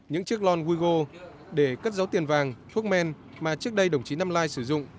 những chiếc lon guigo để cất dấu tiền vàng thuốc men mà trước đây đồng chí năm lai sử dụng